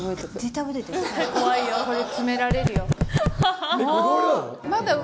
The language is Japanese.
これ詰められるよ。